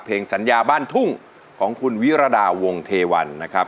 สัญญาบ้านทุ่งของคุณวิรดาวงเทวันนะครับ